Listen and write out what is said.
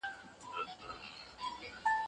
سوسیالیستي فکر د ملکیت مخالف دی.